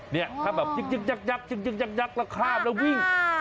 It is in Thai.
นี่ถ้าแบบยกแล้วข้ามแล้ววิ่ง